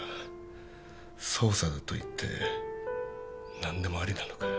捜査だといってなんでもありなのかよ？